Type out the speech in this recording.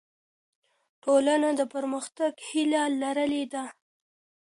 ټولنه د پرمختګ هیله لرلې ده.